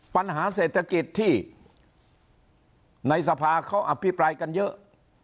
ปัญหาเศรษฐกิจที่ในสภาเขาอภิปรายกันเยอะ